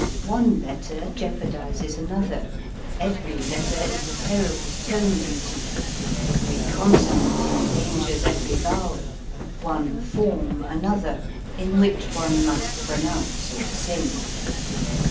One letter jeopardizes another, every letter imperils tone beauty, every con sonant endangers every vowel, one form an other, in which one must pronounce or sing.